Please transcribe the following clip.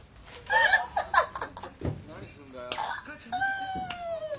アハハハ。